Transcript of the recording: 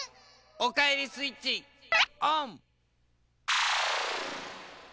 おかえりスイッチオン！